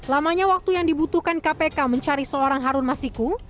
lamanya waktu yang dibutuhkan kpk mencari seorang harun masiku